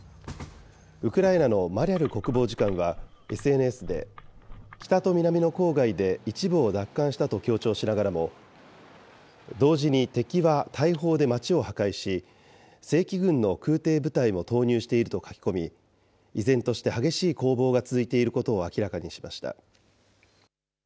ウクライナのマリャル国防次官は、ＳＮＳで、北と南の郊外で一部を奪還したと強調しながらも、同時に敵は大砲で街を破壊し、正規軍の空てい部隊も投入していると書き込み、依然として激しい攻防が続いていることを明らかにしました。